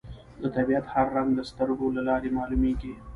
د طبیعت هر رنګ د سترګو له لارې معلومېږي